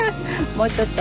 もうちょっと。